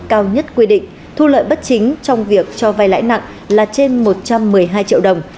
cao nhất quy định thu lợi bất chính trong việc cho vai lãi nặng là trên một trăm một mươi hai triệu đồng